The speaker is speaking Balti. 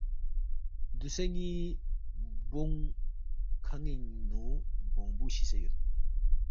دوسے ن٘ی بونگ کھنِ٘نگ نُو بونگبُو شِسے یود